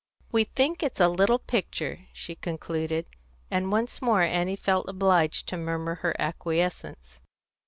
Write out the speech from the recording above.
"We think it's a little picture," she concluded, and once more Annie felt obliged to murmur her acquiescence.